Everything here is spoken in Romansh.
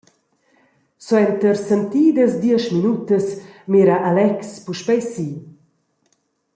Suenter sentidas diesch minutas mira Alex puspei si.